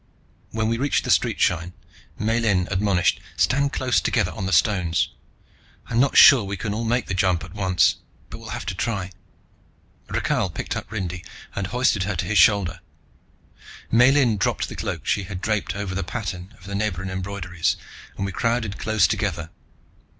When we reached the street shrine, Miellyn admonished: "Stand close together on the stones. I'm not sure we can all make the jump at once, but we'll have to try." Rakhal picked up Rindy and hoisted her to his shoulder. Miellyn dropped the cloak she had draped over the pattern of the Nebran embroideries, and we crowded close together.